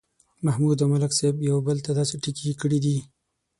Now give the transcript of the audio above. محمود او ملک صاحب یو بل ته داسې ټکي کړي دي